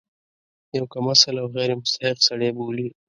یو کم اصل او غیر مستحق سړی بولي.